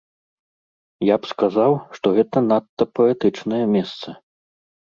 Я б сказаў, што гэта надта паэтычнае месца.